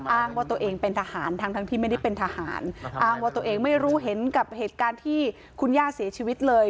อ้างว่าตัวเองเป็นทหารทั้งทั้งที่ไม่ได้เป็นทหารอ้างว่าตัวเองไม่รู้เห็นกับเหตุการณ์ที่คุณย่าเสียชีวิตเลย